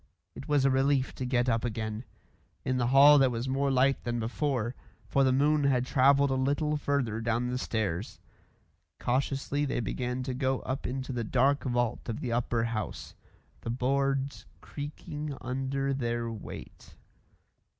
It was a relief to get up again. In the hall there was more light than before, for the moon had travelled a little further down the stairs. Cautiously they began to go up into the dark vault of the upper house, the boards creaking under their weight.